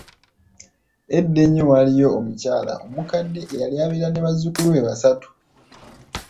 Edda enyo, waliyo omukyala omukadde eyali abeera ne bazukulu be basatu.